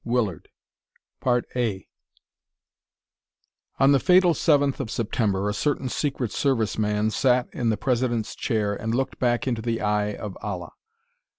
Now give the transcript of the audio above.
Willard_ On the fatal seventh of September a certain Secret Service man sat in the President's chair and looked back into the Eye of Allah.